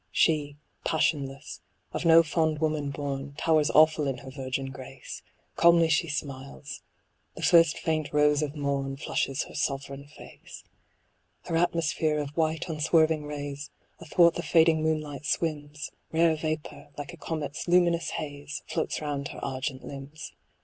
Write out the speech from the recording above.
She, passionless, of no fond woman born. Towers awful in her virgin grace ; Calmly she smiles ; the first faint rose of morn Flushes her sovereign face. Her atmosphere of white unswerving rays Athwart the fading moonlight swims ; Rare vapour, like a comet's luminous haze, Floats round her argent limbs.